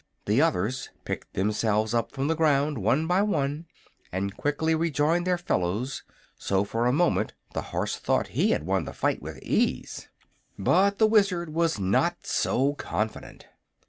The others picked themselves up from the ground one by one and quickly rejoined their fellows, so for a moment the horse thought he had won the fight with ease. But the Wizard was not so confident.